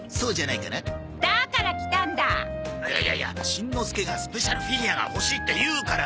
いやいやいやしんのすけがスペシャルフィギュアが欲しいっていうから。